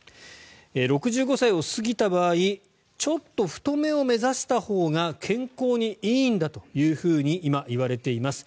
６５歳を過ぎた場合ちょっと太めを目指したほうが健康にいいんだというふうに今、いわれています。